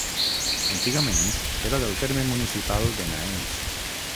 Antigament era del terme municipal de Naens.